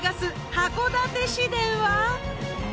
函館市電は。